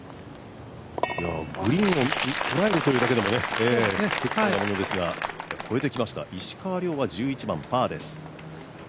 グリーンを捉えるというだけでも、結構なものですが超えてきました石川遼は１１番、パーです。